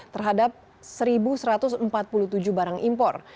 terhadap satu satu ratus empat puluh tujuh barang impor